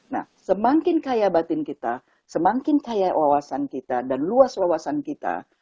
nah semakin kaya batin kita semakin kaya wawasan kita dan luas wawasan kita